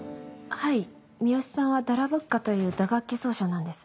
はい三好さんはダラブッカという打楽器奏者なんです。